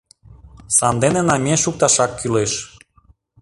Сандене намиен шукташак кӱлеш.